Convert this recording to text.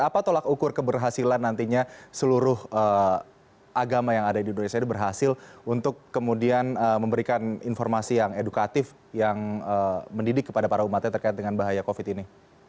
apa tolak ukur keberhasilan nantinya seluruh agama yang ada di indonesia ini berhasil untuk kemudian memberikan informasi yang edukatif yang mendidik kepada para umatnya terkait dengan bahaya covid ini